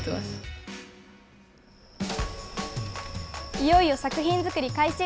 いよいよ作品作り開始。